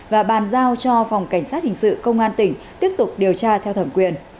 và bàn giao cho phòng cảnh sát hình sự công an tỉnh tiếp tục điều tra theo thẩm quyền